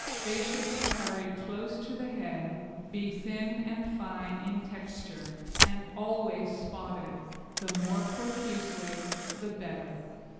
They should be carried close to the head, be thin and fine in texture, and always spotted the more profusely the better.